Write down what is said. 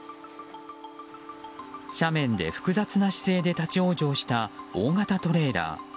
斜面で複雑な姿勢で立ち往生した大型トレーラー。